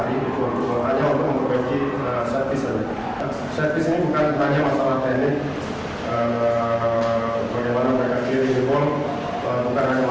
ini menjadi capatan paling beda menjadi pelanggan